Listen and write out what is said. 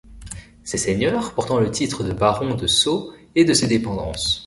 Ces seigneurs portant le titre de barons de Sceaux et de ses dépendances.